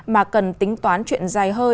mà cần tính toán chuyện dài hơi